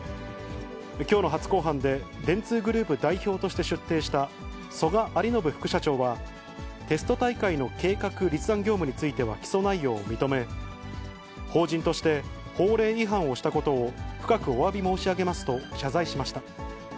きょうの初公判で、電通グループ代表として出廷した曽我有信副社長は、テスト大会の計画立案業務については起訴内容を認め、法人として法令違反をしたことを深くおわび申し上げますと謝罪しました。